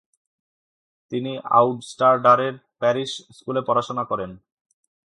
তিনি আউস্টারডারের প্যারিশ স্কুলে পড়াশোনা করেন।